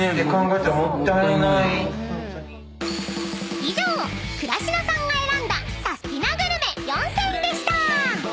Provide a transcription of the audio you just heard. ［以上倉科さんが選んだサスティなグルメ４選でした］